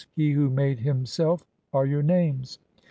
he who made him "self)," are your names.